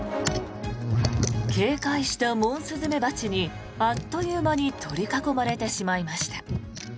警戒したモンスズメバチにあっという間に取り囲まれてしまいました。